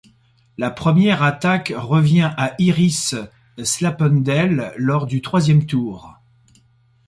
La première attaque revient à Iris Slappendel lors du troisième tour.